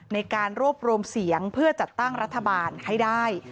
ในการรวบรวมเสียงเพื่อจัดตั้งรัฐบาลให้ได้